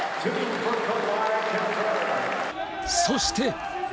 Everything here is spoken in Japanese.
そして。